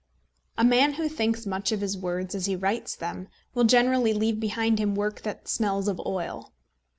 A man who thinks much of his words as he writes them will generally leave behind him work that smells of oil.